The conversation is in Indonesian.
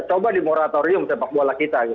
coba di moratorium sepak bola kita